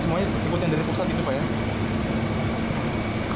semuanya ikut yang dari pusat gitu pak ya